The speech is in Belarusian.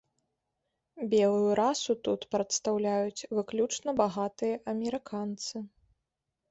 Белую расу тут прадстаўляюць выключна багатыя амерыканцы.